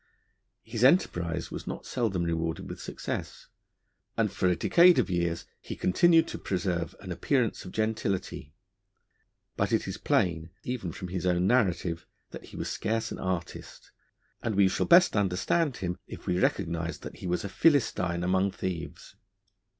His enterprise was not seldom rewarded with success, and for a decade of years he continued to preserve an appearance of gentility; but it is plain, even from his own narrative, that he was scarce an artist, and we shall best understand him if we recognise that he was a Philistine among thieves.